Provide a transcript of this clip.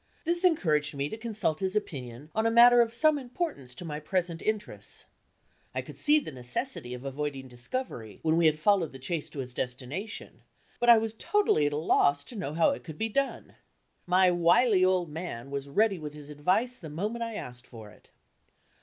This encouraged me to consult his opinion on a matter of some importance to my present interests. I could see the necessity of avoiding discovery when we had followed the chaise to its destination; but I was totally at a loss to know how it could be done. My wily old man was ready with his advice the moment I asked for it.